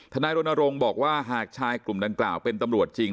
นายรณรงค์บอกว่าหากชายกลุ่มดังกล่าวเป็นตำรวจจริง